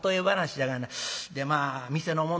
でまあ店の者